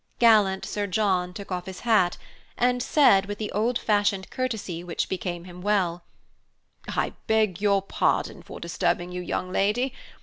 Gallant Sir John took off his hat and said, with the old fashioned courtesy which became him well, "I beg your pardon for disturbing you, young lady.